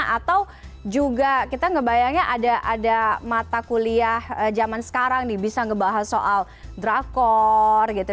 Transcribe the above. atau juga kita ngebayangnya ada mata kuliah zaman sekarang nih bisa ngebahas soal drakor gitu